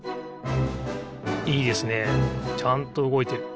いいですねちゃんとうごいてる。